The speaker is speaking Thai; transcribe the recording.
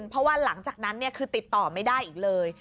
เพราะว่าหลังจากนั้นคือติดต่อไม่ได้อีกเลย